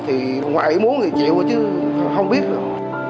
thì ngoài muốn thì chịu chứ không biết được